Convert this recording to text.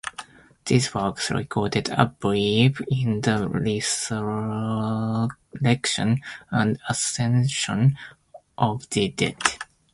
These works recorded a belief in the resurrection and ascension of the dead.